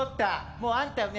もうあんたをね